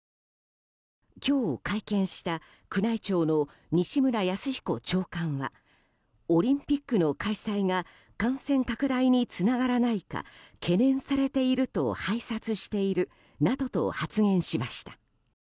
今日会見した宮内庁の西村泰彦長官はオリンピックの開催が感染拡大につながらないか懸念されていると拝察しているなどと発言しました。